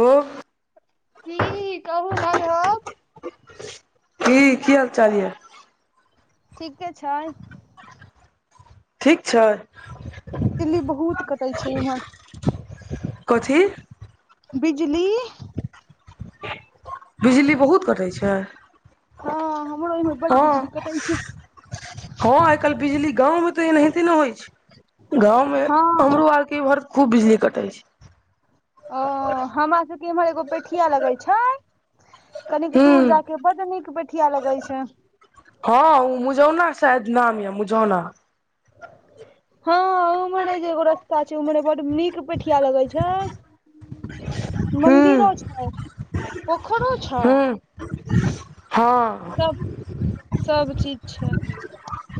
ओ की कहु माधव की की हाल चाल य ठीके छय ठीक छय बिजली बहुत कतय छै इम्हर कथी बिजली बिजली बहुत कटै छय हँ हमरो ओहि में बड बिजली कटाै छै हँ आइ काल्हि बिजली गाँवमे तऽ एनाहिते ने होइ छै गाँव में हँ हमरो आर इम्हर खूब बिजली कटै छय ओ हमरा सबके एम्हर एगो पेठिया लगै छय कनिक हूँ दूर जा के बड नीक बेठिया लगै छय हँ ओ मुझौना शायद नाम य मुझौना हँ ऊमरे जे एगो रस्ता छै ऊमरे बड नीक पेठिया लगै छै हूँ मन्दिरो छै पोखरो छै हूँ हँ सब चीज छै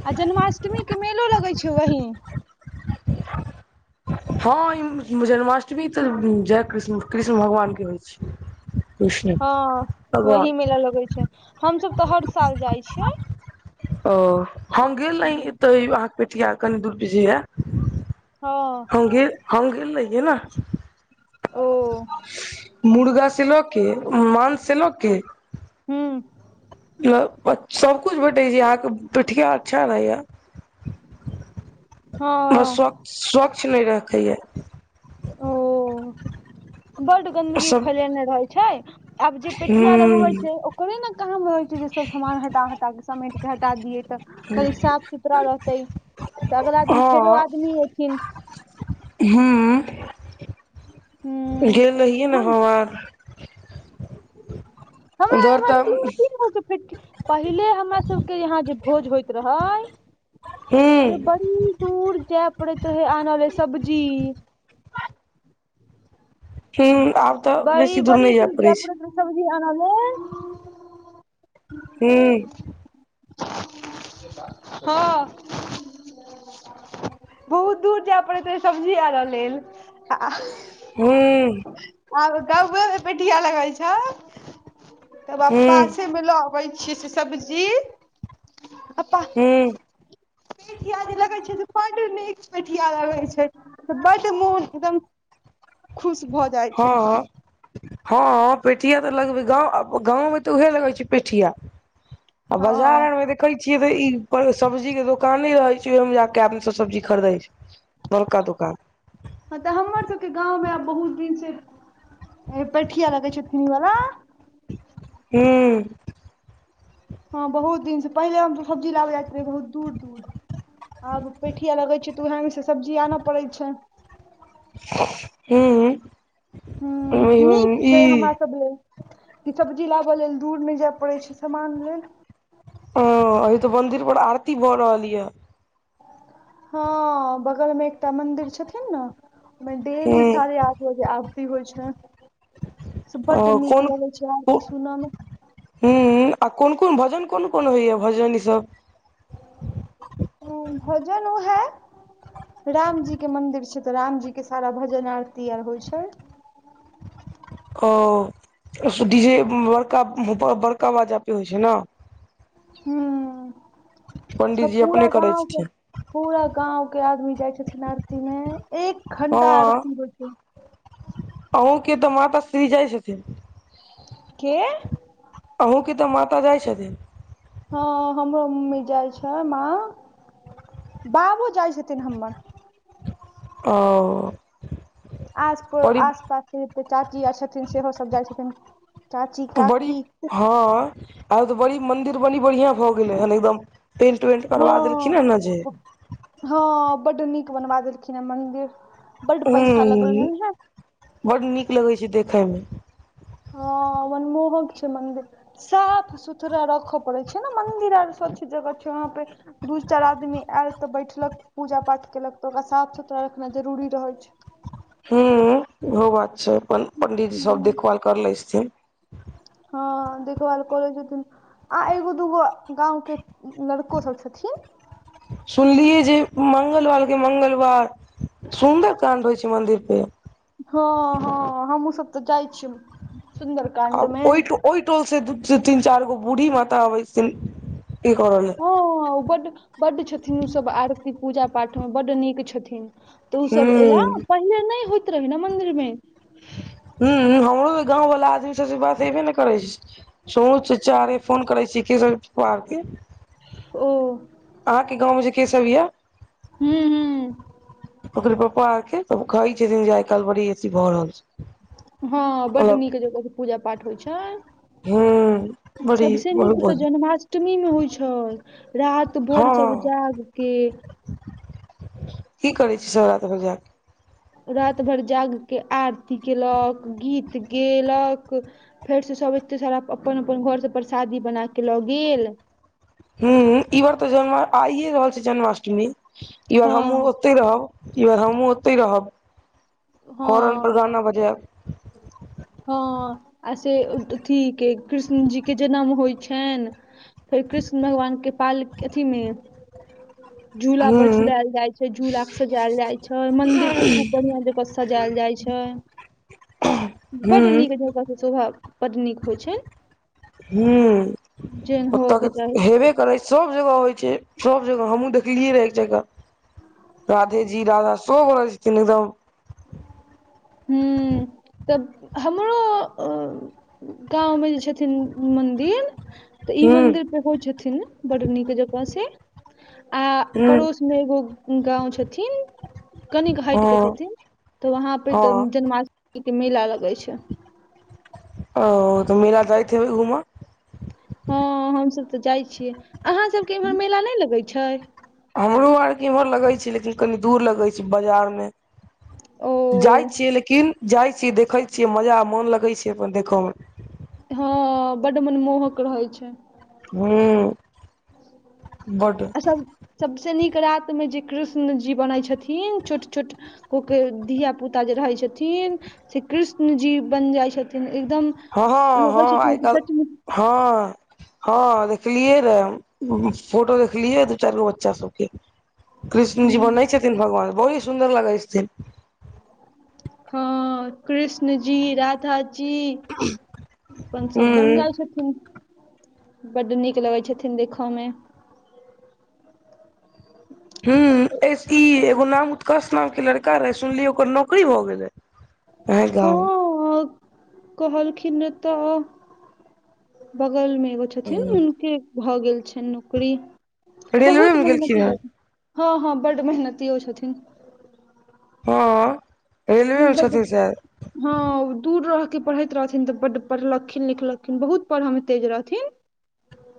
आ जन्माष्टमी के मेलो लगै छै वहीं हँ ई जन्माष्टमी तऽ जय कृष्ण कृष्ण भगवानके होइ छय हँ वहीं मेला लगै छै हमसब तऽ हर साल जाइ छियै ओ हम गेल न एतऽ अहाँके पेटिया कनि दूर बेझैए हँ हम गेल हम गेल गेलऽ ओ मुर्गा से लोक केँ मांस से लऽ केँ हुँ सब कुछ भेटै छै अहाँकेँ पेठिया अच्छा रहै य बस स्व हँ स्वच्छ नहि रखै य ओ बड्ड गन्दगी सब फैलेने रहैत छै आब जे पेठिया लगबै हूँ छै ओ ओकरे न काम रहै छै जे सब समान हटा हटा समेट कऽ हटा दियै तऽ कनी साफ सुथरा रहतै तऽ अगला दिन फेरो हँ आदमी एथिन हूँ हूँ गेल रहियै ने तहन हम अर हमरा उधर इम्हर तऽ तीन तीन गो केँ फेठी पहिले हमरा सबकेँ यहाँ जे भोज होइत रहै हूँ से बड़ी दूर जाय परैत रहै आनऽ लऽ सब्जी हूँ आब तऽ बेसी बई बड़ी नहि दूर पड़ै जाय छै परैत रहै सब्जी आनऽ लेल हूँ हँ बहुत दूर जाय पड़ैत रहै सब्जी आनऽ लेल हूँ आब गाँवे मे पेठिया लगै छै तऽ वैह हूँ पासे मे लऽ आबै छीयै से सब्जी आ पा हूँ पेठिया जे लगैत छै से बड्ड नीक पेठिया लगै छै से बड्ड मोन एकदम खुश भऽ जाइ छै हँ हँ पेठिया तऽ लगबै गव गाँवमे तऽ उएहे लगै छै पेठिया आ हँ बजारमे [unintelligible] देखै छियै तऽ ई सब्जी केँ दोकाने रहै छै ओहि मे जाकेँ आदमी सब सब्जी खरीदे छै बरका दोकान हँ तऽ हमर सब केँ गाँवमे आब बहुत दिन से ऐ पेठिया लगै छै फिंग वला हूँ हँ बहुत दिन से पहिले हम त सब्जी लाबे जाइत रहैये बहुत दूर दूर आब पेठिया लगे छै तऽ बहि मे से सब्जी आनऽ पड़ैत छै हूँ हूँ नीक छै हमर सब लेल ई सबजी लबैय लेल दूर नहि जाय पड़ै छै सामान लेलू हँ अभि तऽ मंदिर पर आरती भऽ रहल यऽ हँ बगलमे एकटा मंदिर छथिन नऽ ओदिये डली हूं साढ़े आठ बजे आरती होइ छै से ओ बड्ड नीक लगै छै आरती सुनऽ मे हूँ आ कोन कोन भजन कोन कोन होइ य भजन ईसभ हँ भजन उहै रामजी केँ मंदिर छै तऽ रामजी केँ सारा भजन आरती आर होइ छै ओ सु डी जे बड़का बड़का बाजा पे होइ छै नऽ हुँ सब पंडीजी अपने पुरा करै गाँव छथिन केँ पूरा गाँंव केँ आदमी जाय छथिन आरती मे एक घंटा आरती होइ छै अहुँकेँ तऽ माता श्री जाइ छथिन के अहूँके तऽ माता जाइ छथिन हँ हमरो मम्मी जाई छै माँ बाबो जाई छथिन हमर ओ आस प परी आस पासके जते चाची आ छथिन सेहो सब जाइ छथिन चाची काकी बड़ी हँ आ त बड़ी मंदिर बड़ी बढ़िया हो गेलै हन एकदम पेंट उेंट करबा देलखिन हँ हैं ने जे हँ बड्ड नीक बनवा देलखिन हैं मन्दिर बड्ड ह पैसा लगल हन हे बड नीक लगै छै देखय में हँ ओन मोहक छै मन्दिर साफ सुथरा रखय पड़ै छै ने मंदिर आर स्वच्छ जगह छै वहाँ पे दू चाइर आदमी आयल तऽ बैठलक पूजा पाठ केलक तऽ ओकरा साफ सुथरा रखना जरूरी रहैत छै हं इहो बात छै अपन पंडीजी सब देखभाल कर ले छथिन हँ देखभाल करै छथिन आ एगो दूगो गाँव के लड़को सब छथिन सुनलियै जे मंगलवार के मंगलवार सुन्दर काण्ड होइ छै मन्दिर पे हँ हँ हमूँ सब तऽ जाइ छी सुंदरकाण्ड आब मे ओहि ओहि टोल से दू तीन चाइर गो बूढ़ी माता अबै छथिन कि करले ह बड बड्ड छथिन ओसब आरती पूजा पाठ में बड नीक छथिन तऽ ओसब एयला हूँ पहिले नय होइत रहै ने मन्दिरमे हूँ हमरो तऽ गाँवला आदमी सबसँ बात हयबे ने करै छै सुनू चचा रे फोन करै छी के पारके ओ अहाँके गाँं में जे के सब यए हूँ हूँ ओकरो पप्पा आर के तऽ कहै छै जे आइ काइल बड़ी एथी भऽ रहल छै हँ बड्ड मतलब नीक जगह से पूजा पाठ होइ छय हूँ बड़ी सबस बहुत नीक तऽ बड़ी जनमास अष्टमी मे होइ छै राइत भर सब हँ जाग के की करै छै सर तऽ बजा [unintelligible] राइत भरि जाग क आरती कयेलक गीत गयलक फेर से सभ एते सारा अपन अपन घर सब परसादी बना क लऽ गेल हं ई बार तऽ ज आइए रहल छै जन्माष्टमी ई बार हमहुँ हँ ओतइ रहब किार हमँ ओत्तहि रहब हॉर्न पर हँ गाना बजायब हँ आ से अथी के कृष्ण जी के जनम होइ छइन फेर कृष्ण भगवान के पाल अथीमें झूला पर हूँ झुलायल जाय छै झूला के सजायल जाय छय मंदिर के खूब बढ़िया जगह सजायल जाइ छै बड्ड हूँ नीक जगकह छै सुभह पतनीक होइ छ हं हुअ ओतऽ चाही के हेबे करै छै सब जगह होइ छय सब जगह हमहुँ देखलियै रहै एक जगह राधे जी राधा शो बोलाै छैन एकदम हूँ त हमरो गाँवमे जे छथिन मन्दिर तऽ ई हूँ मंदिर पे होय छथिन बड नीक जकाँ से आ हूँ पड़ोस मे एगो गाँंव छथिन कनिक हट के छथिन तऽ वहाँ हँ पे तऽ हँ जन्माष्टमी के मेला लगे छै ओ तऽ मेला जाइत हेबै घूमऽ हँ हमसभ तऽ जाइ छियै अहाँ सभके इम्हर मेला नहि लगैत छै हमरो आर के इम्हर लगे छै लेकिन कनी दूर लगे छै बाजार मे ओ जाई छियै लेकिन जाइ छीयै देखै छीियै मजा मन लगै छै अपन देखय मे हँ बड्ड मनमोहक रहैत छै हू बड आ सब सबस नीक राात मे जे कृष्ण जी बनै छथिन छोट छोट क के धिय पुता जे रहै छथिन से कृष्ण जी बनि जाइ छथिन एकदम हँ हँ लगै हँ आइ छथिन कि काल् सचमुच हँ हँ देखलियै र फोटो देखलियै दू चारि गो बच्चा सबकै कृष्ण जी हूँ, बनै छथिन भगवान बहुती सुन्दर लगै छथिन हँ कृष्ण जी राधा जी अपन हूँ सब बन जाइ छथि बड्ड नीक लगैत छथिन देखय म ह ई एगो नाम उत्कर्ष नाम के लड़का रहे सुनलियै ओकर नौकरी भए गैले हँ कहलखिन ने तऽ बगलमे एगो छथिन हुनकै भऽ गेल छनि नौकरी रेलवे बहुत मे गेलखिन मेहनती हेँ हँ हँ बड मेहनतियो छथिन हँ रेलवे मे बड्ड छथि सायद हँ दूर रहिके पढ़ैत रहथिन तऽ बड्ड पढ़लखिन लिखलखिन बहुत पढ़यमे तेज रहथिन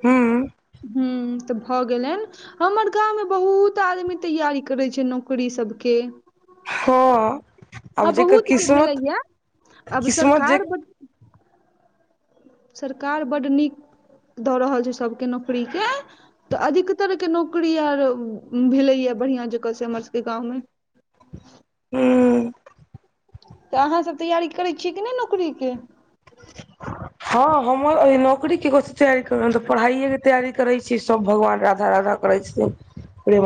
हूँ हूँ तऽ भऽ गेलनि हमर गाम मे बहुत आदमी तैयारी करै छै नौकरी सबके हँ आब आ जकर बहुत के किस्मत भेलैया आब किस्मत जे सरकार बड सरकार बड्ड नीक दऽ रहल छै सभके नोकरीक अधिकतरहके नौकरी आर भेलैएा बढ़िआं जकाँ से हमर सबके गाँवमे हूँ तऽ अहाँसभ तैयारी करैत छियै कि नहि नौकरीक ह हँ हमर एहि नौकरी केथी तैयारी कर तऽ पढ़ाइए के तैयारी करै छी सभ भगवान राधा राधा करै छै नही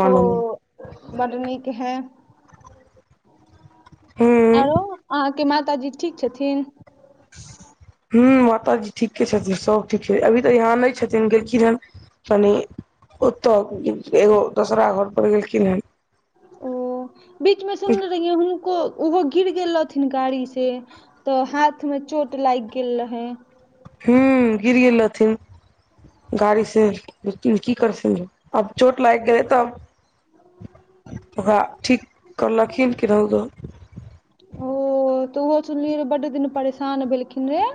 ओ बड नीक है हूँ अहाँके माताजी ठीक छथिन ह माताजी ठीके छथिन सब ठीक छै अभी तऽ यहाँ नहि छथिन गेलखिन हन मनी ओत्तऽ एगो दोसरा घर पर गेलखिन हेँ ओ बीचमे सुनने रहियै हुनको ओहो गिर गेल रहथिन गाड़ी से तऽ हाथ में चोट लागि गेल रहै हू गिर गेल रहथिन गाड़ी से की कर स अब चोट लागि गेलै तऽ ओकरा ठीक करलखिन कि रहौ दो ओ तऽ ओहो सुनलिए बड दिन परेशान भेलेखिन रेहे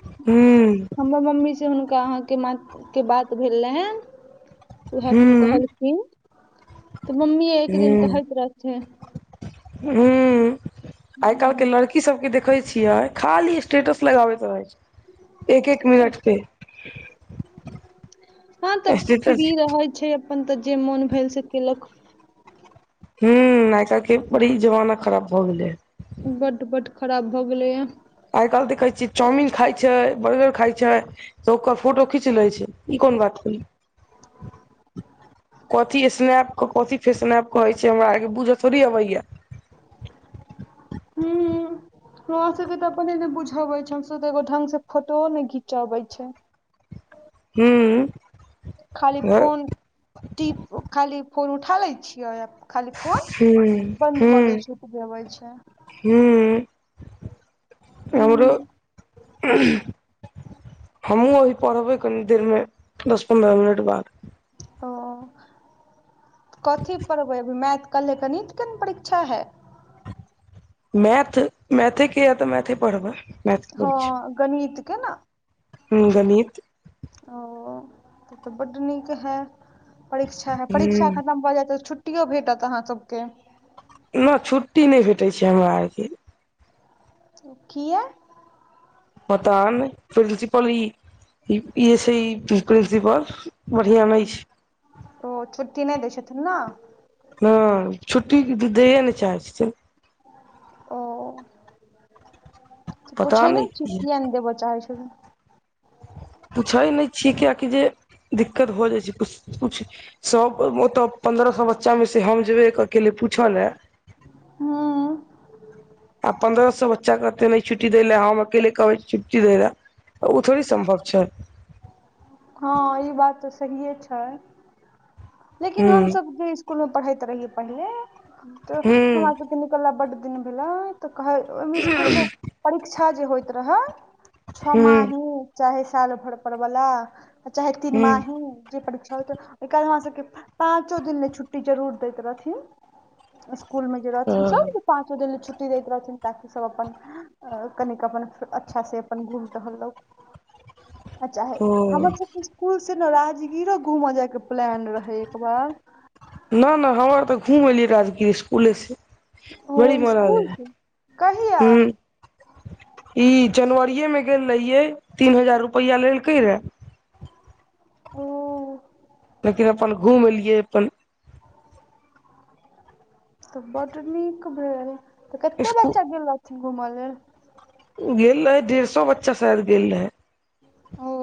[unintelligible] हमर मम्मी से हुनका अहाँके माँ के बात भेल रहै ओहै त व हूँ कहलखिन तऽ मम्मी एक दिन कहैत रहथिन ह [inaudible] आइ काइल के लड़की सब के देखे छियै खाली स्टेटस लगाबैत पर रहे छै एक एक मिनट पे [inaudible] हँ तऽ फ्री स्टेटस रहै छै अपन तऽ जे मोन भेल से केलक हू आइ काइल के बड़ी जमाना खराब भऽ गेले है बड बड खराब भए गेलैए आइ काइल देखै छियै चाउमिन खाय छै बर्गर खाय छै सब क फोटो खींच लै छै ई कोन बात भेलय [inaudible] कथी स्नैप के कथी स्नैप कहे छै हमरा आरके बूझऽ थोड़ी अबैया [unintelligible] हू हमरा सब के त अपने ने बुझवे छै हम सब त एगो ढंग से फोटो न ने घीच आबै छै [unintelligible] खाली हूँ फोन टीप खाली फोन उठा लै छियै आ खाली फोन [inaudible] बन्द हूँ कऽ लै छै उतबे आबै छै [unintelligible] हमरो उंम्म [unintelligible] हमहुँ अभी पढ़बै कनी देर मे दस पन्द्रह मिनट बाद ओ कथी पढ़बै अभी मैथ कल्हे गणित के ने परीक्षा हैत मैथ मैथे के यऽ तऽ मैथे पढ़बै मैथ हँ गणित के ने गणित ओ तऽ बड नीक है परीक्षा है परीक्षा हूँ खत्म भऽ जाइत त छुटी छुट्टियों भेटत अहाँ सबके न छुट्टी नहि भेटैत छै हमरा आरके किया पता नै प्रिंसिपल [inaudible] ई इसे ही प्रिंसिपल पर बढ़िआँ नहि छै ओ छुट्टी नहि दै छथिन न हँ छुट्टी दैए नहि चाहय छै से [inaudible] ओ [inaudible] पूछए नहि छी किया नहि देबो चाहै छै पुछै नहि छियै किआकि जे दिक्कत भ जाइ छै कुछ सब ओतब पन्द्रह सौ बच्चा मे से हम जेबे अकेले पूछल ने हँ [inaudible] आ पंन्द्रह सौ बच्चा केते नहि छुट्टी देलै हम अकेले कहब छुट्टी दैल ओ थोड़ी सम्भव छै हँ ई बात तऽ सही ए छै लेकिन हम हूँ सब जे स्कूल मे पढ़ैत रहियै पहिले तऽ हमरा हूँ सब निकलला बड दिन भेले तऽ कहे ओहिमे स्कूल मे परीक्षा जे होइत रहे छओ हूँ माही चाहे साल भर पर वला चाहे तीन हूँ माही परीक्षा होइ त उ काल हमरा सब के पाँचो दिन ल छुट्टी जरूर दैत रहथिन स्कूल में जे ओ रहथिन सब पाँचो दिन ल छुट्टी दैत रहथिन ताकि सब अपन अ कनिक अपन अच्छा से अपन घुइम टहललौं आ चाहे ओ हमर सबके कुल से ने राजगिर घूमऽ जायके प्लान रहय एक बार न नय हमर तऽ घूम एलियै राजगीर स्कूले से ओ बड़ी मार स्कुल छै कहिया ह [inaudible] ई जनवरीे में गेल रहिये तीन हजार रुपआ लेलकै रे ओ लेकिन अपन घूम एलियै अपन तऽ बड्ड नीक भेल तऽ कते बच्चा गेलथिन घूमय लेल ओ गेल रहे डेढ़ सो बच्चा शायद गेल रहय ओ